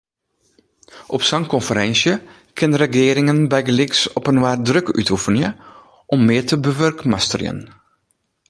Op sa’n konferinsje kinne regearingen bygelyks opinoar druk útoefenje om mear te bewurkmasterjen.